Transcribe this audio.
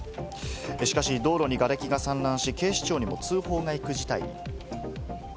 しかし、道路にがれきが散乱し、警視庁にも通報が行く事態に。